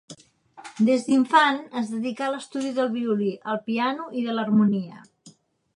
Des d'infant es dedicà a l'estudi del violí, el piano i de l'harmonia.